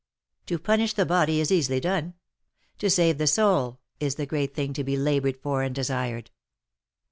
To punish the body is easily done; to save the soul is the great thing to be laboured for and desired.